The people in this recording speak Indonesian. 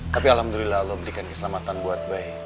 tapi alhamdulillah allah memberikan keselamatan buat bayi